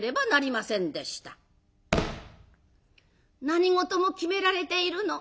「何事も決められているの。